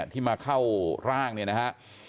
ที่มาเข้าร่างเนี่ยนะฮะ